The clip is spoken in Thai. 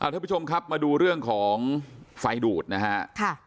ทุกผู้ชมครับมาดูเรื่องของไฟดูดนะฮะ